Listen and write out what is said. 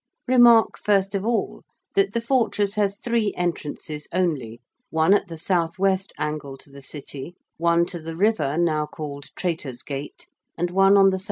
Remark first of all that the fortress has three entrances only: one at the S.W. angle to the City; one to the river now called Traitors' Gate; and one on the S.E.